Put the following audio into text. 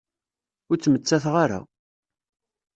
Ur ttmettateɣ ara.